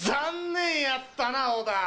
残念やったな、小田。